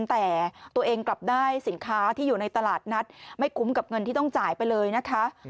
แต่ตัวเองกลับได้สินค้าที่อยู่ในตลาดนัดไม่คุ้มกับเงินที่ต้องจ่ายไปเลยนะคะ